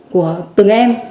của từng em